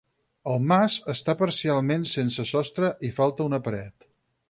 El mas està parcialment sense sostre i falta una paret.